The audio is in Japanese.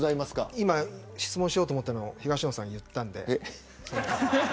今、質問しようと思ったことを東野さんが言ったので。